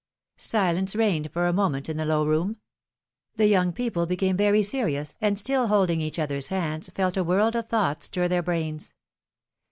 Silence reigned for a moment in the' low room. The young people became very serious, and still holding each other's hands, felt a world of thoughts stir their brains.